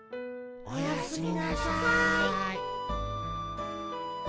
おやすみなさい。